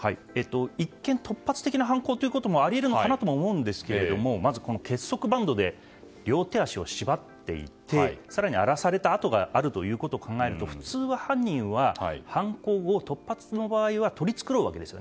一見、突発的な犯行もあり得るのかなと思うんですがまず結束バンドで両手足を縛っていて更に、荒らされた跡があるということを考えると普通、犯人は犯行後、突発の場合は取り繕うわけです。